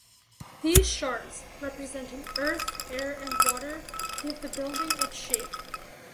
These shards, representing earth, air and water, give the building its shape.